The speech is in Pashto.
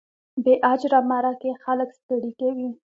بې اجره مرکې خلک ستړي کوي.